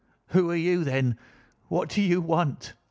"Who are you, then? What do you want?"